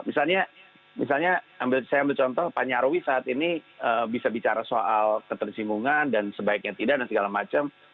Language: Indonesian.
misalnya saya ambil contoh pak nyarwi saat ini bisa bicara soal ketersinggungan dan sebaiknya tidak dan segala macam